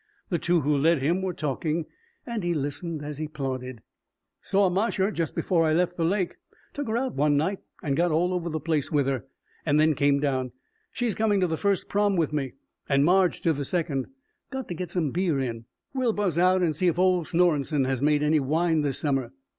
The two who led him were talking and he listened as he plodded. "Saw Marcia just before I left the lake took her out one night and got all over the place with her and then came down she's coming to the first prom with me and Marj to the second got to get some beer in we'll buzz out and see if old Snorenson has made any wine this summer.